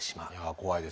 怖いですね。